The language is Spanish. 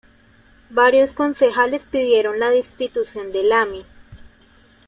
Varios concejales pidieron la destitución de Lami.